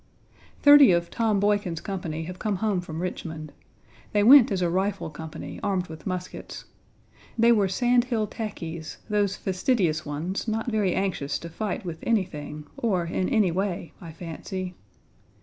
Thirty of Tom Boykin's company have come home from Richmond. They went as a rifle company, armed with muskets. They were sandhill tackeys those fastidious ones, not very anxious to fight with anything, or in any way, I fancy.